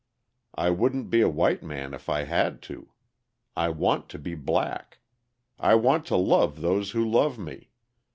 I wouldn't be a white man if I had to. I want to be black. I want to love those who love me.